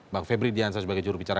bang febri diansyah sebagai jurubicara